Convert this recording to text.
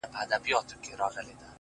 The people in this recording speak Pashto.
o كله .كله ديدنونه زما بــدن خــوري.